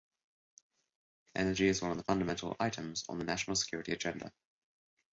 Energy is one of the fundamental items on the national security agenda.